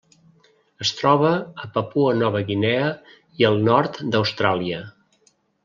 Es troba a Papua Nova Guinea i al nord d'Austràlia.